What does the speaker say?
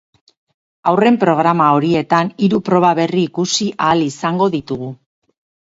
Haurren programa horietan hiru proba berri ikusi ahal izango ditugu.